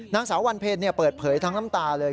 นางสาววันเพลเปิดเผยทั้งน้ำตาเลย